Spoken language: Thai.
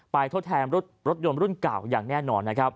ไปทดแทนรถยนต์รุ่นเก่าอย่างแน่นอน